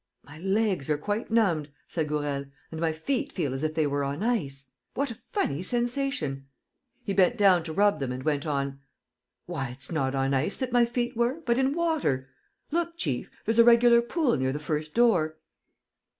"My legs are quite numbed," said Gourel, "and my feet feel as if they were on ice. What a funny sensation!" He bent down to rub them and went on: "Why, it's not on ice that my feet were, but in water. ... Look, chief ... there's a regular pool near the first door.